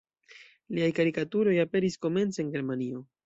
Liaj karikaturoj aperis komence en Germanio.